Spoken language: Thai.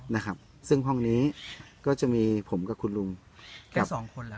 นะครับซึ่งห้องนี้ก็จะมีผมกับคุณลุงแค่สองคนแล้ว